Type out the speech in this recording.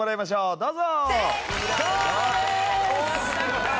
どうぞ！